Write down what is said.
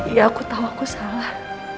iya aku tau aku salah